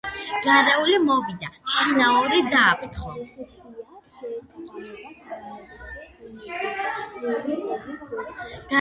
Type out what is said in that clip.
გარეული მოვიდა, შინაური დააფრთხო